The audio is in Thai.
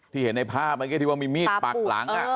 ที่เห็นในภาพนั้นก็คิดว่ามีมีดปากหลัง